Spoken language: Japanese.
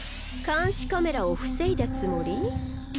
監視カメラを防いだつもり？